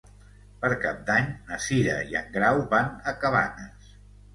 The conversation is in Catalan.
Per Cap d'Any na Cira i en Grau van a Cabanes.